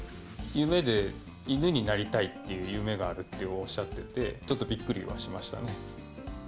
夢で、犬になりたいっていう夢があるっておっしゃってて、ちょっとびっくりはしましたね。